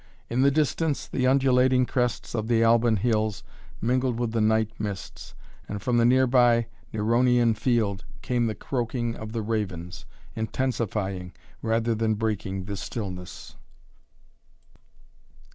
In the distance the undulating crests of the Alban Hills mingled with the night mists, and from the nearby Neronian Field came the croaking of the ravens, intensifying rather than breaking the stillness.